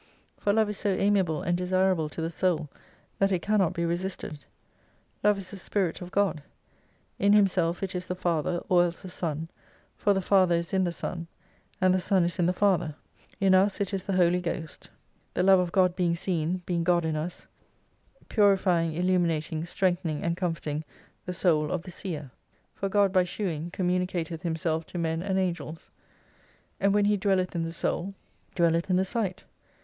For love is so amiable and desirable to the Soul that it cannot be resisted. Love is the Spirit of God. In Himself it is the Father, or else the Son, for the Father is in the Son, and the Son is in the Father : In us it is the Holy Ghost. The Love of God being seen, being God in us : Purify ing, illuminating, strengthening, and comforting the soul of the seer. For God by shewing communi cateth Himself to men and angels. And when He dwelleth in the soul, dwelleth in the sight.